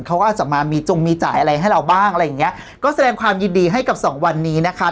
เขาก็อาจจะมามีจงมีจ่ายอะไรให้เราบ้างอะไรอย่างเงี้ยก็แสดงความยินดีให้กับสองวันนี้นะคะ